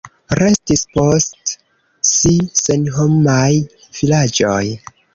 Restis post si senhomaj vilaĝoj.